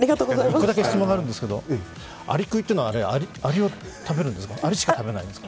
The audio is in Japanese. １個だけ質問があるんですけど、アリクイっていうのはアリしか食べないんですか？